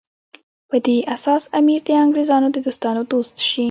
په دې اساس امیر د انګریزانو د دوستانو دوست شي.